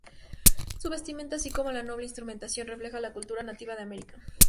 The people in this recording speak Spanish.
Su vestimenta, así como la notable instrumentación, refleja la cultura nativa americana.